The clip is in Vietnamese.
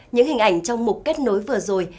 những hình ảnh trong mục kết nối vừa rồi